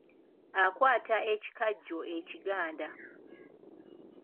Akwata ekikajjo ekiganda.